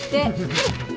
はい！